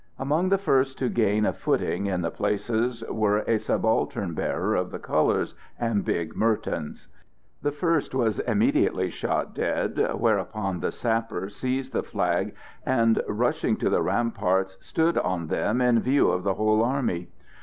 Among the first to gain a footing in the place were a subaltern bearer of the colours, and big Mertens. The first was immediately shot dead, whereupon the sapper seized the flag, and, rushing to the ramparts, stood on them in view of the whole army.